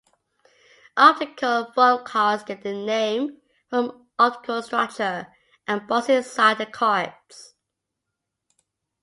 Optical phonecards get their name from optical structure embossed inside the cards.